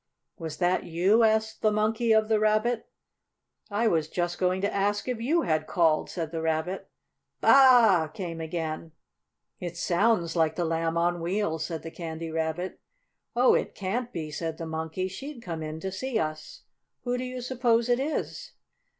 "Was that you?" asked the Monkey of the Rabbit. "I was just going to ask if you had called," said the Rabbit. "Baa a a a a!" came again. "It sounds like the Lamb on Wheels," said the Candy Rabbit. "Oh, it can't be," said the Monkey. "She'd come in to see us. Who do you suppose it is?"